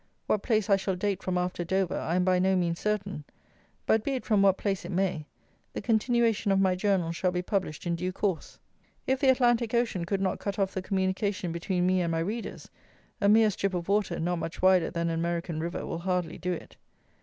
What place I shall date from after Dover I am by no means certain; but be it from what place it may, the continuation of my Journal shall be published in due course. If the Atlantic Ocean could not cut off the communication between me and my readers, a mere strip of water, not much wider than an American river, will hardly do it.